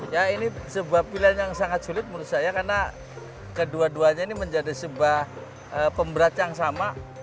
ya ini sebuah pilihan yang sangat sulit menurut saya karena kedua duanya ini menjadi sebuah pemberat yang sama